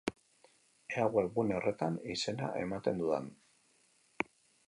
Ea webgune horretan izena ematen dudan.